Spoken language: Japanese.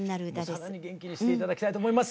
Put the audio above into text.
さらに元気にして頂きたいと思います。